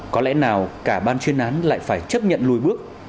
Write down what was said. có lẽ nào cả ban truy nã lại phải chấp nhận lùi bước